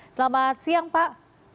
selamat siang pak